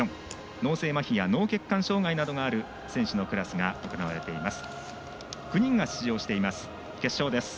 脳性まひや脳血管障がいのある選手のクラスが行われています。